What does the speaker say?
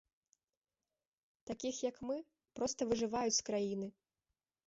Такіх, як мы, проста выжываюць з краіны.